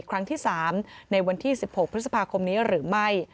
ครั้งที่๓ในวันที่๑๖พฤษภาคมนี้หรือไม่